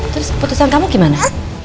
terus putusan kamu gimana